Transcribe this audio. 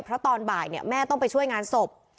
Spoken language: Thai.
เพราะตอนบ่ายแม่ต้องไปช่วยงานศพ